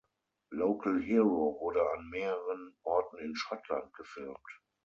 „Local Hero“ wurde an mehreren Orten in Schottland gefilmt.